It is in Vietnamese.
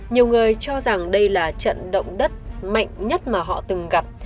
nhiều người cho rằng đây là trận động đất mạnh nhất mà họ từng gặp